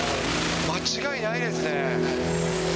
間違いないですね。